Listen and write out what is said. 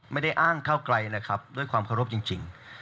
ไม่ได้อ้างเก้าไกลเลยครับด้วยความเคารพจริง